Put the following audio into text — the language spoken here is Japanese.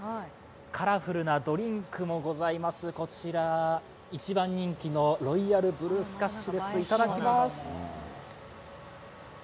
カラフルなドリンクもございます、こちら一番人気のロイヤルブルースカッシュです、いただきます。